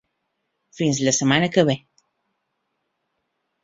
Fins la setmana que ve.